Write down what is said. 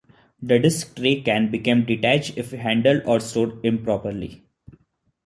The disc tray can become detached if handled or stored improperly.